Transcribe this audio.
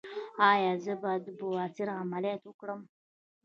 ایا زه باید د بواسیر عملیات وکړم؟